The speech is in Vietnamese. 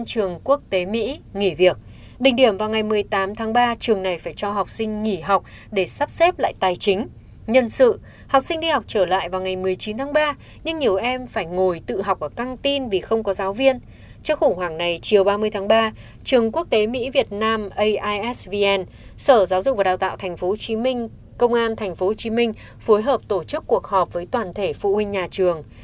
trường quốc tế mỹ việt nam aisvn sở giáo dục và đào tạo tp hcm công an tp hcm phối hợp tổ chức cuộc họp với toàn thể phụ huynh nhà trường